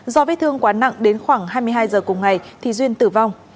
do vết thương quá nặng đến khoảng hai mươi hai giờ cùng ngày thì duyên tử vong